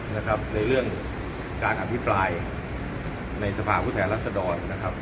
นะครับในเรื่องการอภิมภูมิภายในสม่าผู้แถวรัฐสะดอนนะครับ